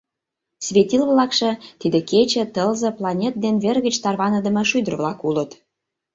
Светил-влакше — тиде Кече, Тылзе, планет ден вер гыч тарваныдыме шӱдыр-влак улыт.